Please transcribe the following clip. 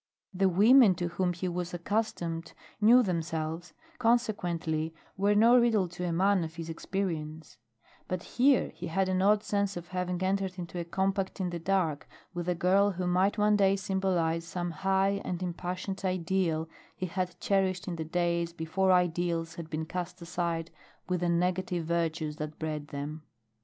The women to whom he was accustomed knew themselves, consequently were no riddle to a man of his experience, but here he had an odd sense of having entered into a compact in the dark with a girl who might one day symbolize some high and impassioned ideal he had cherished in the days before ideals had been cast aside with the negative virtues that bred them.